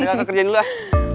ayo kakak kerjain dulu lah